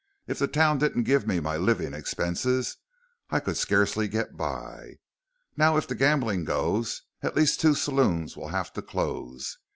If the town didn't give me my living expenses, I could scarcely get by. Now if the gambling goes, at least two saloons will have to close.